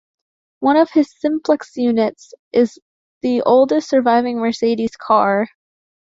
One of his "Simplex" units is the oldest surviving "Mercedes" car.